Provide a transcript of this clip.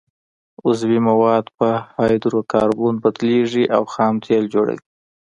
عضوي مواد په هایدرو کاربن بدلیږي او خام تیل جوړوي